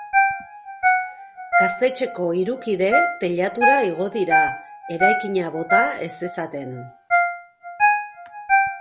Gaztetxeko hiru kide teilatura igo dira, eraikina bota ez zezaten.